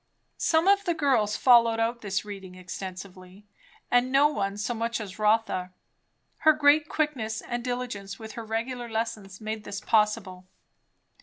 Some of the girls followed out this 'reading extensively; and no one so much as Rotha. Her great quickness and diligence with her regular lessons made this possible.